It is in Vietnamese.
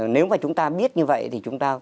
nếu mà chúng ta biết như vậy thì chúng ta